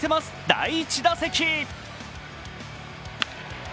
第１打席。